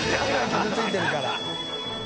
傷ついてるから。